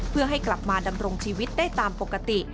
เพื่อให้กลับมาดำรงชีวิตได้ตามปกติ